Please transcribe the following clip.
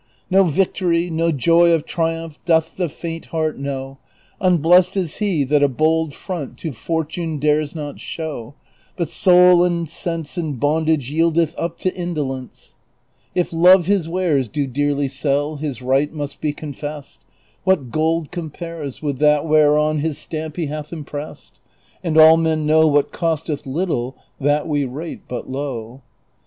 368 DON QUIXOTE. No victory, No joy of triumph doth the faint heart know; Unblest is he That a bold front to Portune dares not show, But soul and sense In bondage yieldeth up to indolence. If Love his wares Do dearly sell, his right must be confest ; What gold compares With that whereon his stamp he hath imprest ? And all men know What costeth little that we rate but low.